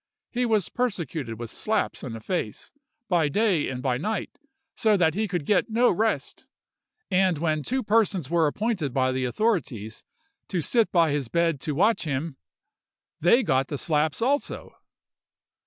He was persecuted with slaps on the face, by day and by night, so that he could get no rest; and when two persons were appointed by the authorities to sit by his bed to watch him, they got the slaps also.